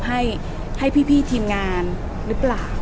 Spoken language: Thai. ให้พี่ทีมงานหรือเปล่า